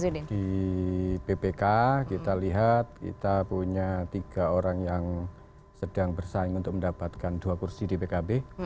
di bpk kita lihat kita punya tiga orang yang sedang bersaing untuk mendapatkan dua kursi di pkb